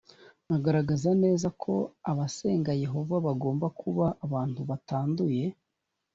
agaragaza neza ko abasengaga yehova bagombaga kuba abantu batanduye